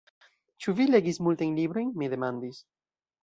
Ĉu vi legis multajn librojn? mi demandis.